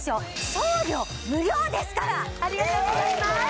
送料無料ですからありがとうございます嬉しい